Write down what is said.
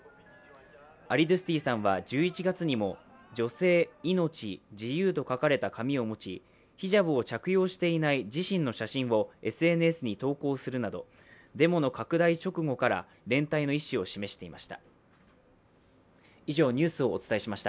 アリドゥスティさんは１１月にも「女性、命、自由」と書かれた紙を持ち、ヒジャブを着用していない自身の写真をＳＮＳに投稿するなどデモの拡大直後から連帯の意思を示していました。